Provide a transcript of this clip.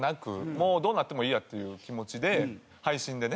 もうどうなってもいいやっていう気持ちで配信でね